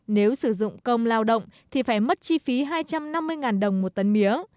nếu sử dụng công lao động thì phải mất chi phí hai trăm năm mươi đồng một tấn mía